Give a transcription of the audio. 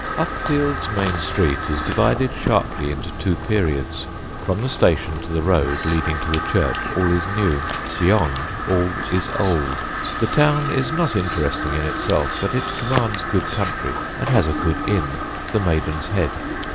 Uckfield's main street is divided sharply into two periods from the station to the road leading to the church all is new; beyond, all is old. The town is not interesting in itself, but it commands good country, and has a good inn, the Maiden's Head.